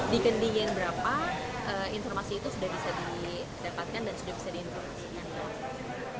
di ketinggian berapa informasi itu sudah bisa didapatkan dan sudah bisa diinformasikan